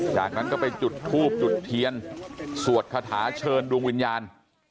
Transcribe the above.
จากนั้นก็ไปจุดทูบจุดเทียนสวดคาถาเชิญดวงวิญญาณ